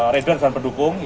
radar dan pendukung